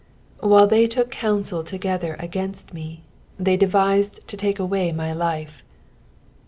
" Whiie they took couneel together against foe, they deeiied to take aaay my Ufa."